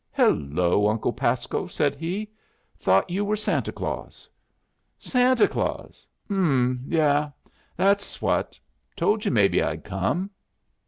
"Hello, Uncle Pasco!" said he. "Thought you were Santa Claus." "Santa Claus! H'm. Yes. That's what. Told you maybe I'd come."